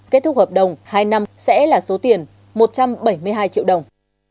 kết thúc hợp đồng hai năm sẽ là số tiền một trăm bảy mươi hai triệu đồng